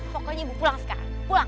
pokoknya ibu pulang sekarang pulang